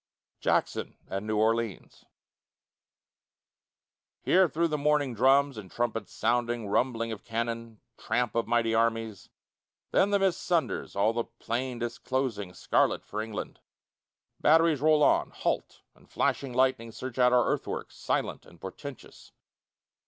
JACKSON AT NEW ORLEANS Hear through the morning drums and trumpets sounding, Rumbling of cannon, tramp of mighty armies; Then the mist sunders, all the plain disclosing Scarlet for England. Batteries roll on, halt, and flashing lightnings Search out our earthworks, silent and portentous.